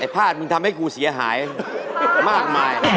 พลาดมึงทำให้กูเสียหายมากมาย